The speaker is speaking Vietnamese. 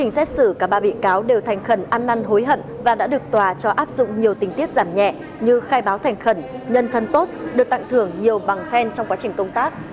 xét xử cả ba bị cáo đều thành khẩn ăn năn hối hận và đã được tòa cho áp dụng nhiều tình tiết giảm nhẹ như khai báo thành khẩn nhân thân tốt được tặng thưởng nhiều bằng khen trong quá trình công tác